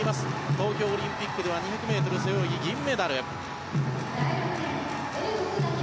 東京オリンピックでは２００ｍ背泳ぎ銀メダル。